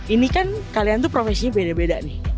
ini kan kalian tuh profesinya beda beda nih